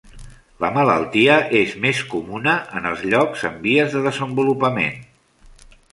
La malaltia és més comuna en els llocs en vies de desenvolupament.